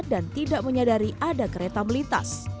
dan tidak menyadari ada kereta melitas